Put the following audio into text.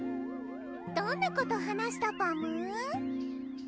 どんなこと話したパム？